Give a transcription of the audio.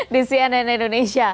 di cnn indonesia